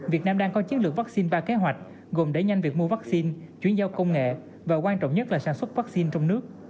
việt nam đang có chiến lược vaccine ba kế hoạch gồm đẩy nhanh việc mua vaccine chuyển giao công nghệ và quan trọng nhất là sản xuất vaccine trong nước